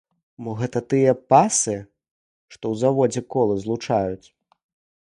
Мо гэта тыя пасы, што ў заводзе колы злучаюць?